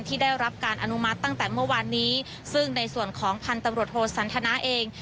ที่ได้รับการอนุมัติตั้งแต่เมื่อวานนี้ซึ่งในส่วนของพันธุ์ตำรวจโทสันทนาเอง